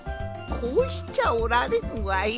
こうしちゃおられんわい。